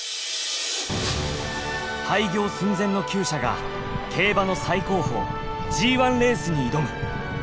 廃業寸前のきゅう舎が競馬の最高峰ＧⅠレースに挑む！